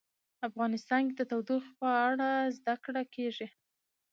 افغانستان کې د تودوخه په اړه زده کړه کېږي.